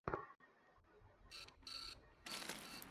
বাবা, মা ও তোমরা সকলে আমার ভালবাসা জানবে।